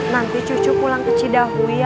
nanti cucu pulang ke cidahu ya